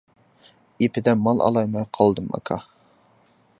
— ئېپىدە مال ئالالماي قالدىم، ئاكا.